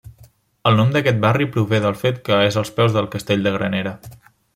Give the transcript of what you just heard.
El nom d'aquest barri prové del fet que és als peus del castell de Granera.